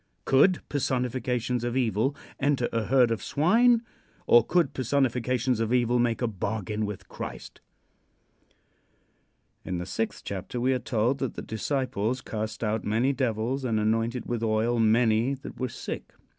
Could personifications of evil enter a herd of swine, or could personifications of evil make a bargain with Christ? In the sixth chapter we are told that the disciples "cast out many devils and anointed with oil many that were sick."